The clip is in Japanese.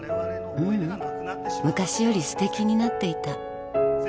ううん昔より素敵になっていた